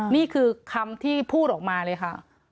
นี่คือคำที่พูดออกมาเลยค่ะ